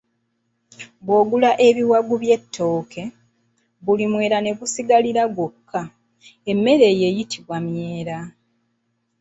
Bw’owagula ebiwagu by’ettooke, buli munwe ne gusigalira gwokka, emmere eyo eyitibwa myera.